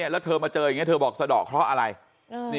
แล้วเธอมาเจออย่างนี้เธอบอกสะดอกเคราะห์อะไร